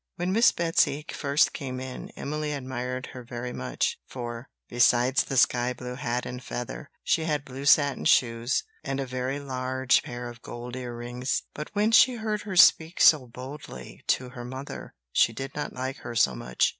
When Miss Betsy first came in, Emily admired her very much; for, besides the sky blue hat and feather, she had blue satin shoes, and a very large pair of gold earrings; but when she heard her speak so boldly to her mother she did not like her so much.